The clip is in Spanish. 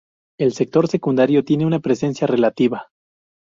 El sector secundario tiene una presencia relativa.